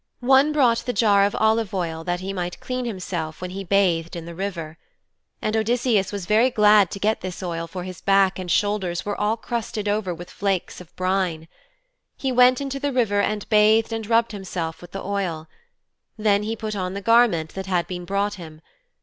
One brought the jar of olive oil that he might clean himself when he bathed in the river. And Odysseus was very glad to get this oil for his back and shoulders were all crusted over with flakes of brine. He went into the river and bathed and rubbed himself with the oil. Then he put on the garment that had been brought him.